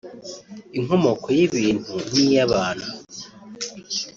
inkomoko y’ibintu n’iy’Abantu